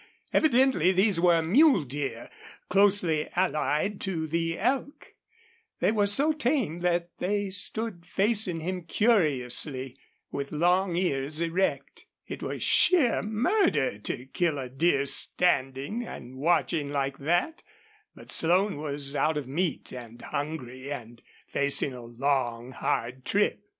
Evidently these were mule deer, closely allied to the elk. They were so tame they stood facing him curiously, with long ears erect. It was sheer murder to kill a deer standing and watching like that, but Slone was out of meat and hungry and facing a long, hard trip.